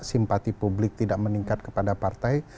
simpati publik tidak meningkat kepada partai